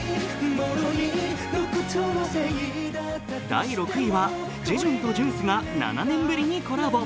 第６位はジェジュンとジュンスが７年ぶりにコラボ。